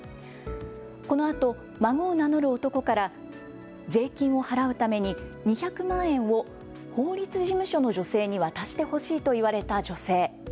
このあと孫を名乗る男から税金を払うために２００万円を法律事務所の女性に渡してほしいと言われた女性。